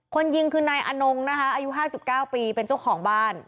คนยิงคือนายอนงนะคะอายุ๕๙ปีเป็นเจ้าของบ้าน